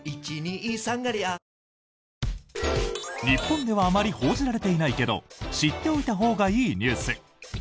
日本ではあまり報じられていないけど知っておいたほうがいいニュース。